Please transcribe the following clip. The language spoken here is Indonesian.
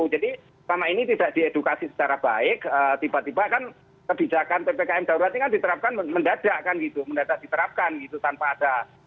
jadi sama ini tidak diedukasi secara baik tiba tiba kan kebijakan ppkm daerah ini kan diterapkan mendadakkan gitu mendadak diterapkan gitu tanpa ada tersosialisasi secara baik